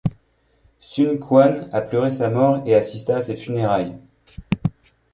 Sun Quan a pleuré sa mort et assista à ses funérailles.